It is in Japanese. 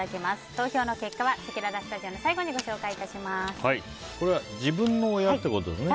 投票の結果はせきららスタジオの最後に自分のやってことですね。